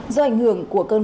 do ảnh hưởng của cơn bóng